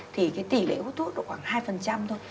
thì cái tỷ lệ hút thuốc khoảng hai thôi